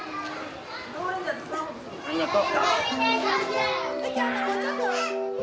ありがとう。